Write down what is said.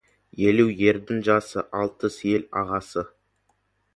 Елу — ердің жасы, алпыс — ел ағасы.